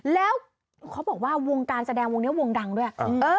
แล้วเขาบอกว่าวงการแสดงวงนี้วงดังด้วย